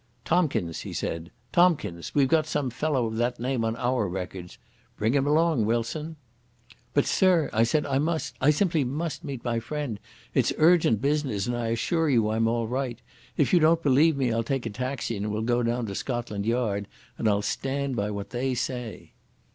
"Tomkins!" he said. "Tomkins! We've got some fellow of that name on our records. Bring him along, Wilson." "But, sir," I said, "I must—I simply must meet my friend. It's urgent business, and I assure you I'm all right. If you don't believe me, I'll take a taxi and we'll go down to Scotland Yard and I'll stand by what they say."